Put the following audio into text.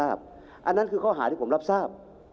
อันนั้นคือข้อหาที่ผมรับทราบ